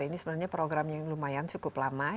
ini sebenarnya program yang lumayan cukup lama